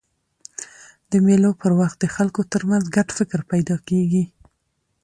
د مېلو پر وخت د خلکو ترمنځ ګډ فکر پیدا کېږي.